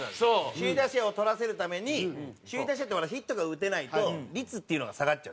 首位打者を取らせるために首位打者ってほらヒットが打てないと率っていうのが下がっちゃう。